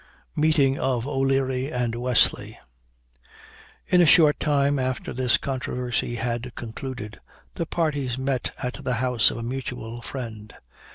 MEETING OF O'LEARY AND WESLEY. "In a short time after this controversy had concluded, the parties met at the house of a mutual friend.